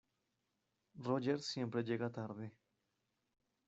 Roger siempre llega tarde.